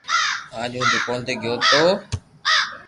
اج ھون دوڪون تو گيو تو